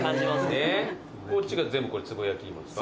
こっちが全部つぼ焼き芋ですか？